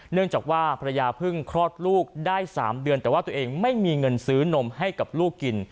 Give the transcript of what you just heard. เนื่องจากว่าภรรยาเพิ่งคลอดลูกได้๓เดือนแต่ว่าตัวเองไม่มีเงินซื้อนมให้กับลูกกิน